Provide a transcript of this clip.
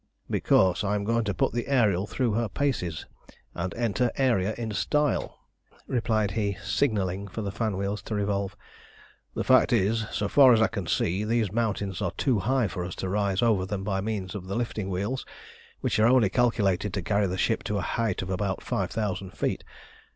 "Because I am going to put the Ariel through her paces, and enter Aeria in style," replied he, signalling for the fan wheels to revolve. "The fact is that, so far as I can see, these mountains are too high for us to rise over them by means of the lifting wheels, which are only calculated to carry the ship to a height of about five thousand feet.